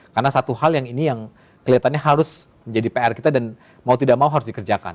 karena satu hal yang ini yang kelihatannya harus menjadi pr kita dan mau tidak mau harus dikerjakan